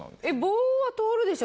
棒は通るでしょ